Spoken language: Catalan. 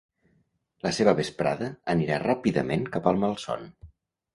La seva vesprada anirà ràpidament cap al malson.